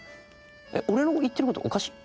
えっ俺の言ってることおかしい？